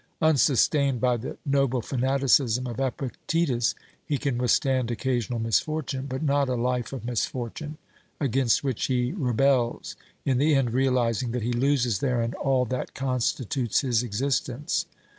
Unsustained by the noble fanaticism of Epictetus, he can withstand occasional misfortune, but not a life of misfortune, against which he rebels, in the end, realising that he loses therein all that OBERMANN 275 constitutes his existence.